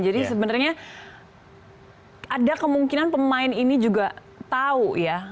jadi sebenarnya ada kemungkinan pemain ini juga tahu ya